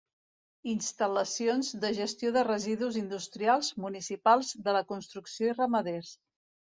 Instal·lacions de gestió de residus industrials, municipals, de la construcció i ramaders.